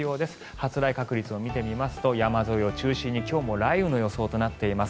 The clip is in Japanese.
発雷確率を見てみますと山沿いを中心に今日も雷雨の予想となっています。